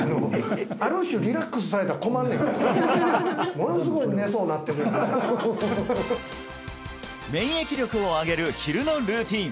ある種リラックスされたら困るねん免疫力を上げる昼のルーティン